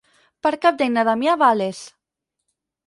Per Cap d'Any na Damià va a Les.